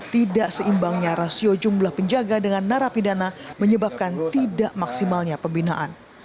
tidak seimbangnya rasio jumlah penjaga dengan narapidana menyebabkan tidak maksimalnya pembinaan